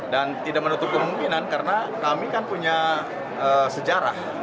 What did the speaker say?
dan tidak menutup kemungkinan karena kami kan punya sejarah